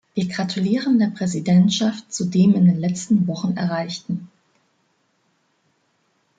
Wir gratulieren der Präsidentschaft zu dem in den letzten Wochen Erreichten.